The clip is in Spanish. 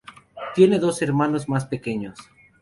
Tiene dos hermanos más pequeños.